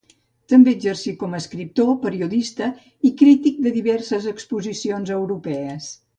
També exercí com a escriptor, periodista i crític de diverses exposicions europees.